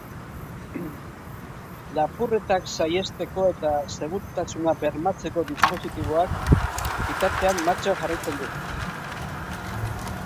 Lapurretako saihesteko eta segurtasuna bermatzeko dispositiboak, bitartean, martxan jarraitzen du.